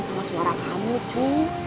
sama suara kamu cu